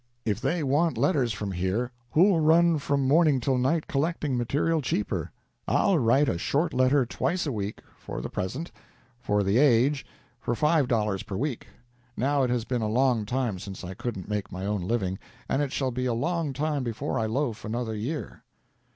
"If they want letters from here who'll run from morning till night collecting material cheaper? I'll write a short letter twice a week, for the present, for the "Age," for $5 per week. Now it has been a long time since I couldn't make my own living, and it shall be a long time before I loaf another year."